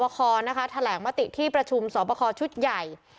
กระสกสอบคลนะฮะแถลงมติที่ประชุมสอบคลชุดใหญ่